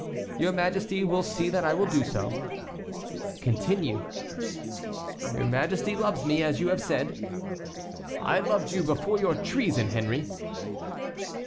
"Your Majesty will see that I will do so." "Continue." "Your Majesty loves me, you have said." "I loved you before your treason, Henry."